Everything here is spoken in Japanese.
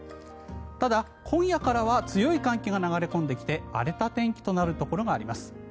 ただ、今夜からは強い寒気が流れ込んできて荒れた天気となるところがあります。